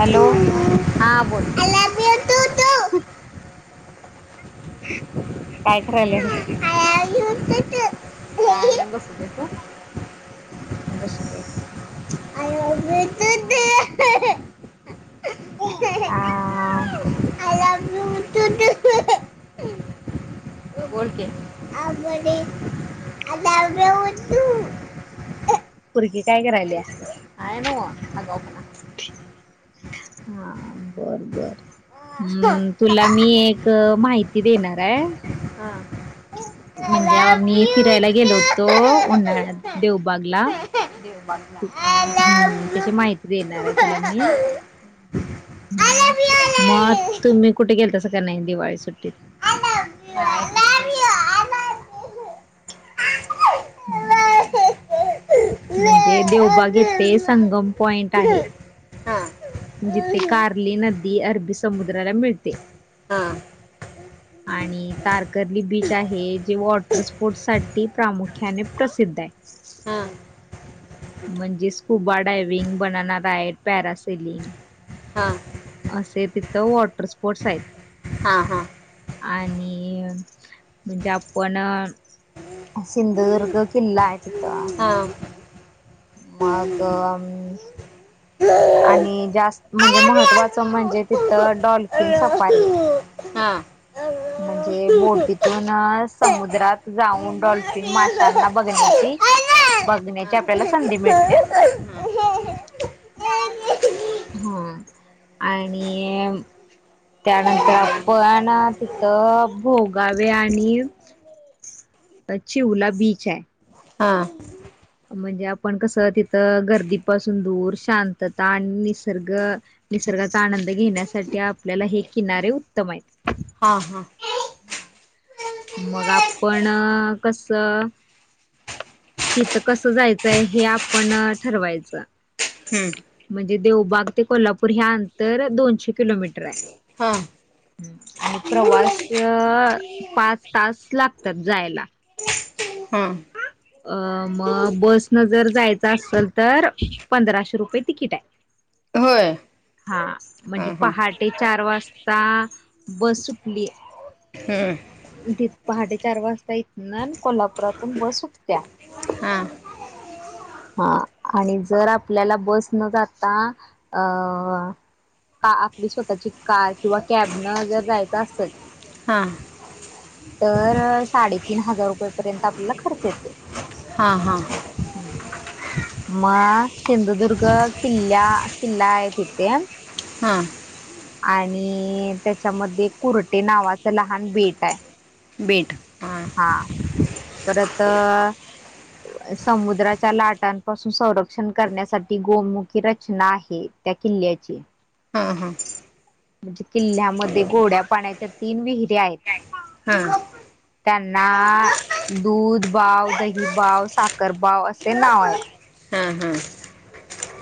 Hello [unintelligible] हा बोल I. You too to [unintelligible] काय करायलीस? आय लव्ह यु... काय नाही बसलेय तु? [unintelligible] [inaudible] मून कस दे. आय लव्ह यु आ तुद्धु [unintelligible] एक [unintelligible] गत [unintelligible] [inaudible] पुरगी काय करायलीय? हायनग हा बर बर हम् तुला मी एक माहिती देणार आहे हा आय म्हणजे लव मी यू फिरायला गेलो होतो उन्हाळ्यात देवबागला बण हम्म त्याची माहिती देणार आहे तुला मी आय लव्ह यू हं मग आय तुम्ही कुठे गेल तसं का नाही दिवाळी सुट्टीत I love you love you I love you बर म्हणजे यू आय देवबाग येथे संगम पॉइंट आहे. लव्ह जिथे यू. कार्ली नदी अरबी समुद्राला मिळते. हां आणि तारकर्ली बीच आहे जे वॉटर स्पोर्ट्स साठी प्रामुख्याने प्रसिद्ध आहे. हां म्हणजे scuba diving, banana ride, parasailing हा असे तिथं वॉटर स्पोर्ट्स आहेत. हां हां आणि म्हणजे आपण सिंधुदुर्ग किल्ला आहे तिथं हां मग हां. आणि हा हा हा हा हा जास्त म्हणजे महत्त्वाचं म्हणजे हम्म. तिथं डॉल्फिन सपारी आहे. म्हणजे बोटीतून समुद्रात जाऊन डॉल्फिन माशांना बघण्याची बघण्याची आपल्याला संधी मिळतीय हं आणि त्यानंतर आपण तिथं भोगावे आणि चिवला बीच आहे. हां म्हणजे आपण कसं तिथं गर्दीपासून दूर शांतता आणि निसर्ग निसर्गाचा आनंद घेण्यासाठी आपल्याला हे किनारे उत्तम आहेत. हा हा हा मग आपण कस तिथं कसं जायचंय हे आपण ठरवायचं हं म्हणजे देवबाग ते कोल्हापूर हे अंतर दोनशे किलोमीटर आहे. हां आणि प्रवास पाच तास लागतात जायला हा अ मग बस न जर जायचं असेल तर पंधराशे रुपये तिकीट आहे होय हा हा म्हणजे हा पहाटे चार वाजता बस सुटली हम् त पहाडेचार वाजता इथ ना कोल्हापुरातून बस उठत्या हा हा आणि जर आपल्याला बस न जाता अ आपली स्वतःची कार किंवा कॅब न जर जायचं असेल हां तर साडेतीन हजार रुपयेपर्यंत आपल्याला खर्च येतोय हा हा हम्म मग सिंधुदुर्ग किल्ला किल्ला आहे तिथे हां आणि त्याच्यामध्ये कुर्टे नावाचं लहान भेट आहे बीट हां हा परत समुद्राच्या लाटांपासून संरक्षण करण्यासाठी गोमुखी रचना आहे. त्या किल्ल्याची हा हा म्हणजे किल्ल्यामध्ये गोड्या पाण्याच्या तीन विहिर्या आहेत. ह त्यांना दूध बाव दही बाव साखर बाव असे नाव आहेत हा हा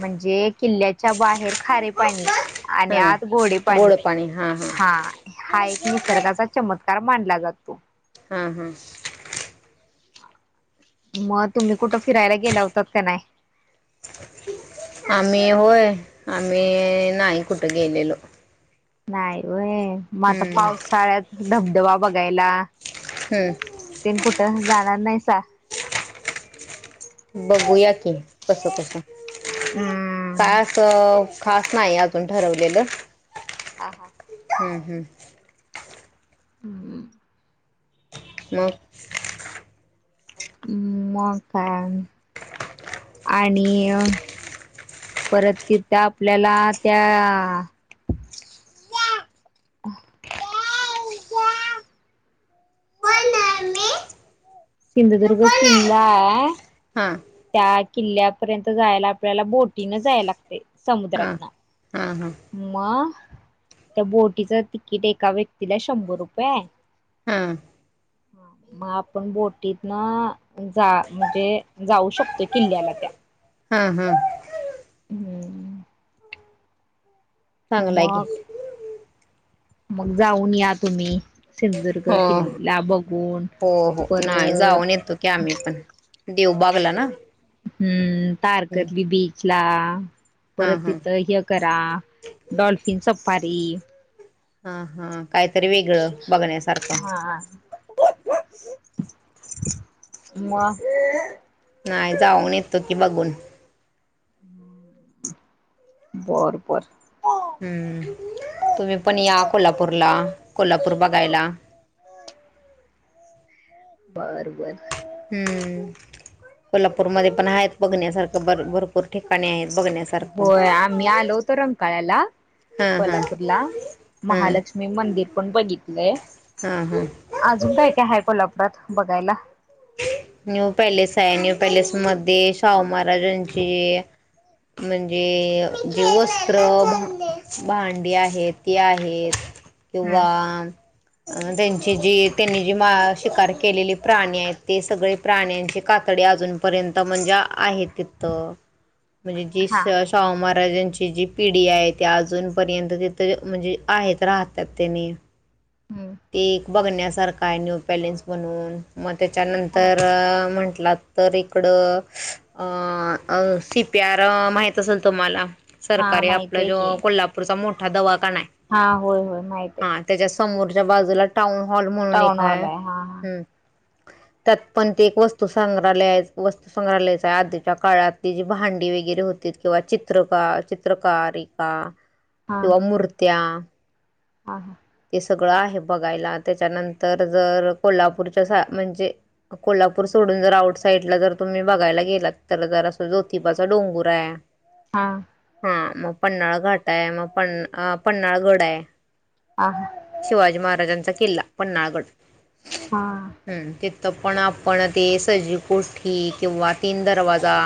म्हणजे किल्ल्याच्या बाहेर खारे पाणी आणि आ घोडे पाणी हा हा एक निसर्गाचा चमत्कार मानला जातो हा हम मग तुम्ही कुठं फिरायला गेला होताात का नाही आम्ही होय आम्ही नाही कुठं गेलेलो नाही होय मग आता हम्म पाव साचाळ्यात धबधबा बघायला हो तेन कुठं जाणार नाही सा बघूया की कस कस हम्म. काळ असं खास नाही अजून ठरवलेलं ह हा हम् हम् ह मग ् म का आणि परत ति त्या आपल्याला त्या कोण आहे मी सिंधुदुर्ग कोण आहे किल्ला आहे हा त्या किल्ल्यापर्यंत जायला आपल्याला बोटीन जायला लागते हा समुद्रातन हा हा ्हा त्या बोटीच तिकीट एका व्यक्तीला शंभर रुपये आहे हा मग आपण बोटीत ना जा म्हणजे जाऊ शकतोय किल्ल्याला त्या हा हा हम्म चांगलं आहे मग के मग जाऊन या तुम्ही सिंधुदुर्ग हो किल्ला बघून हो हो नाही जाऊन येतो की परत आम्ही पण देवबागला ना हम्म तारकतली बीच ला हा परत हा तिथ करा डॉल्फिन सफारी हा हा काहीतरी वेगळं बघण्यासारखं ह म नाही जाऊन येतो की बघून बर बर हम्म तुम्ही पण या कोल्हापूरला कोल्हापूर बघायला बरबर कोल्हापूरमध्ये पण आहेत बघण्यासारखं बर भरपूर ठिकाणी आहेत बघण्यासारखं होय आम्ही हा हा कोल्हापूर ला हा महालक्ष्मी मंदिर पण बघितलंय हां हां अजून काय काय हाय कोल्हापुरात बघायला. न्यू पॅलेस आहे न्यू पॅलेस मध्ये शाहू महाराजांची म्हणजे जे वस्त्र भांडी आहे ती आहेत हम्म किंवा अ त्यांची जी त्यांनी जी मा शिकार केलेली प्राणी आहेत. ते सगळी प्राण्यांची कातडी अजूनपर्यंत म्हणजे आहे तिथ म्हणजे जीस हा शाहू महाराजांची जी पिढी आहे ती अजूनपर्यंत तिथे म्हणजे आहेत राहतात त्यानी [unintelligible] ते एक बघण्यासारखा आहे न्यू पॅलेन्स म्हणून मग त्याच्यानंतर म्हंटलात तर इकडं अ अ सी पी आर माहित असल तुम्हाला हा सरकारी माहित आपलं आहे की जो कोल्हापूरचा मोठा दवाखाना आहे. हा होय होय माहित आहे. हां त्याच्या समोरच्या बाजूला टाऊन हॉल म्हणून टाऊन एक आहे. हॉल हा हम् त्यात पण ते एक वस्तू संग्रहालय आय वस्तूसग्रहालयच आहे आधीच्या काळात ती जी भांडी वगैरे होती किंवा चित्रका चित्रकारिका किवा मुर्त्या हा हा. ते सगळं आहे बघायला त्याच्यानंतर जर कोल्हापूरच्या सा म्हणजे कोल्हापूर सोडून जर आउट साइडला जर तुम्ही बघायला गेलात तर जर असं ज्योतिबाचा डोंगूर आहे. [unintelligible] हा. हा मग पन्नाळ घाट आहे मग पन पन्नाळगड आहे. आह शिवाजी महाराजांचा किल्ला पन्हाळगड हा हम्म तिथं त पण आपण ते सजी गोठी किंवा तीन दरवाजा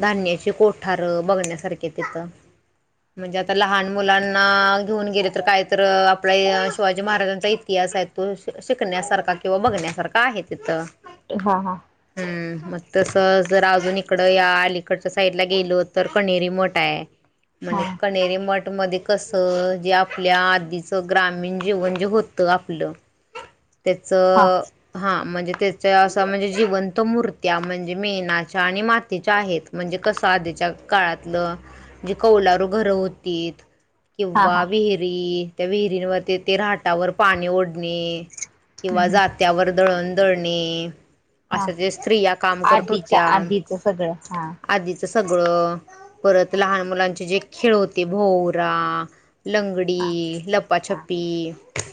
धान्याचे कोठार बघण्यासारखे तिथं म्हणजे आता लहान मुलांना घेऊन गेले तर काय अ आपल्या शिवाजी महाराजांचा इतिहास आहे तो शिकण्यासारखा किंवा बघण्यासारखा आहे तिथं हा हा हम्म मग तस जर अजून इकडं या अलीकडच्या साईडला गेलो तर कणेरी मठ आहे. म्हणजे कनेरीे मठ मध्ये कस जे आपल्या आ आधीच ग्रामीण जीवन जे होत आपलं त्याच हा हा म्हणजे त्याच असं म्हणजे जिवंत मूर्त्या म्हणजे मेणाच्या आणि मातीच्या आहेत. म्हणजे कसं आधीच्या काळातलं जे कौलारू घर होतीत. किंवा हा विहिरी त्या विहिरींवर ते ते राहाटावर पाणी ओढणे. किंवा जात्यावर दळण दळणे. हा असं ज्या स्त्रिया काम करत आधीच्या होत्या. आधीच सगळं हा आधीच सगळं परत लहान मुलांचे जे खेळ होते भोवरा हा लंगडी, हा लप्पाछ्पी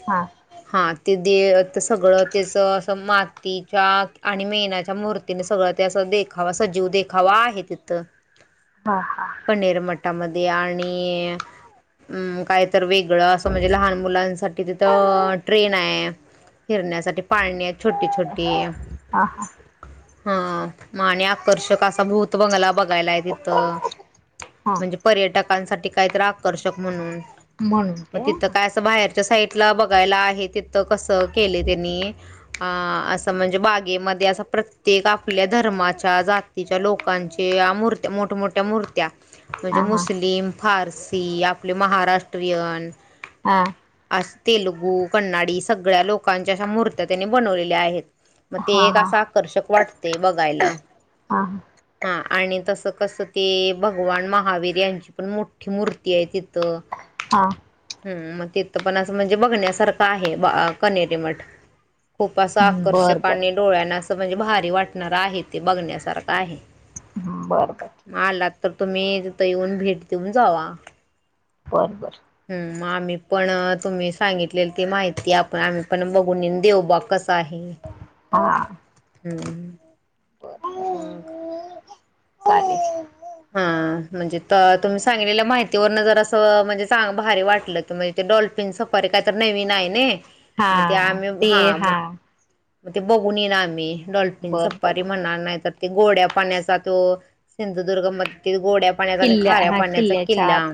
हा हा ते दे सगळं त्याच असं मातीच्या आणि मेणाच्या मूर् तिन सगळं त्या अस देखावा सजीव देखावा आहे तिथं हा हा. कन्हेर मठामध्ये आणि अं कायतर वेगळं अस म्हणजे लहान मुलांसाठी तिथं ट्रेन आहे फिरण्यासाठी पाळण्यात छोटी छोटी हा हा म आणि आकर्षक असा भूत बंगला बघायला आहे तिथं हा म्हणजे पर्यटकांसाठी काहीतर आकर्षक म्हणून म्हणून ते मग तिथं हा काय असं बाहेरच्या साईडला बघायला आहे तिथं कसं केले त्यांनी अ असं म्हणजे बागेमध्ये असं प्रत्येक आपल्या धर्माच्या जात तिच्या लोकांच्या मूर्त्या मोठ्यामोठ्या मूर्त्या म्हणजे हा मुस्लिम फारसी आपले महाराष्ट्रीयन हा आ तेलुगू कन्नडी सगळ्या लोकांच्या अशा महूर्त्या त्यांनी बनवलेल्या आहेत. मग ते हा एक हा असं आकर्षक वाटते बघायला. हा हा आणि तसं कसं ते भगवान महावीर यांची पण मोठी मूर्ती आहे तिथं हा हम् मग तिथं पण असं म्हणजे बघण्यासारखं आहे कनेरी मठ बर खूअसंआकर्षक बर आणि डोळ्यांनाअसं म्हणजे भारी वाटणार आहे ते बघण्यासारखं आहे. बरं बरं आलात तर तुम्ही तिथं येऊन भेट देऊन जावा. बरं बरं हम मग आम्ही पण तुम्ही सांगितलेले ती माहिती आपण आम्ही पण बघून देऊ बा कस काही ह ह मग हा चालेल. म्हणजे तुम्ही सांगलेल्या माहिती वरनं जर असं म्हणजे चांगलं भारी वाटलं. ते डॉल्फिन सफारी काही तर नवीन आहे ना हा मग ते आम्ही हा मग मग ते बघून येई आम्ही डॉल्फिन बर बर सफारी म्ह नाही गोड्या पाण्याचाो सिंधुदुर्ग म गोड्या पाण्याचा आणि किल्ल्या खऱ्या हा पाण्याचा किल्ल्याच्या किल्ला आत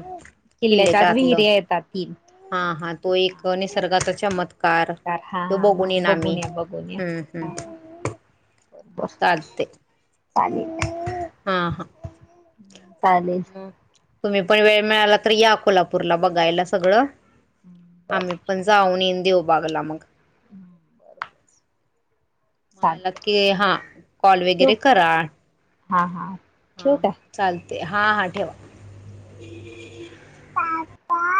आत किल्ल्याच्या आतलं. विहिरी येतात तीन हा हा तो एक निसर्गाचा चमत्कार तो बघून येईन आ मी बन बस चालते. चालेल हां हां चालेल तुम्ही पण वेळ मिळाला तर या कोल्हापूरला बघायला सगळं आम्ही पण जाऊन येऊन देवबागला मग हम्म मला की हा कॉल ठेवू वगैरे करा हा ठेवू काय चालते हा हा ठेवा‌. हम् पापा